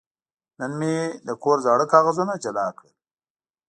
نن مې د کور زاړه کاغذونه جلا کړل.